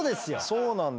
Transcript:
そうなんですよ。